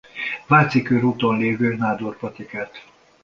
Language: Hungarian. Váci körúton lévő Nádor patikát.